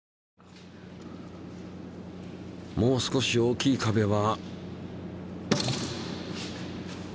もう少し大きい壁は。